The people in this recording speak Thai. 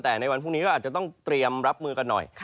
แต่ในวันพรุ่งนี้ก็อาจจะต้องเตรียมรับมือกันหน่อย